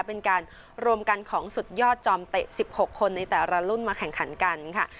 เป็นการรวมกันของสุดยอดจอมเตะ๑๖คนในแต่ละรุ่นมาแข่งขันกันค่ะ